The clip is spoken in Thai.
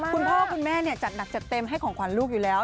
คุณพ่อคุณแม่จัดหนักจัดเต็มให้ของขวัญลูกอยู่แล้ว